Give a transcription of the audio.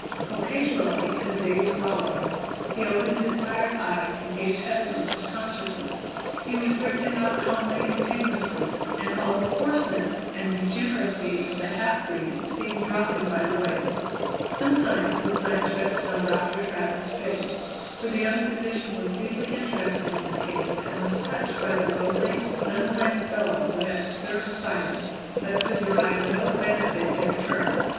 Occasionally, in the days following, he opened his tired eyes and gave evidence of consciousness. He was drifting out calmly and painlessly, and all the coarseness and degeneracy of the half breed seemed dropping by the way. Sometimes his glance rested on Doctor Travers's face, for the young physician was deeply interested in the case and was touched by the lonely, unclaimed fellow who had served science, but could derive no benefit in return.